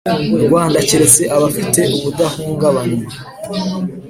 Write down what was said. Rwanda keretse abafite ubudahungabanywa